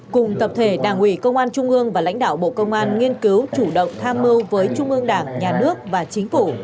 cùng tập thể đảng ủy công an trung ương và lãnh đạo bộ công an nghiên cứu chủ động tham mưu với trung ương đảng nhà nước và chính phủ